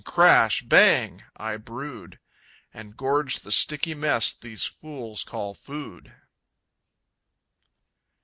crash! bang! I brood And gorge the sticky mess these fools call food!